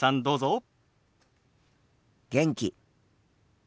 どうぞ。